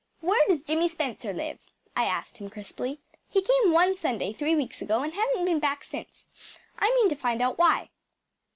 “Where does Jimmy Spencer live?‚ÄĚ I asked him crisply. “He came one Sunday three weeks ago and hasn’t been back since. I mean to find out why.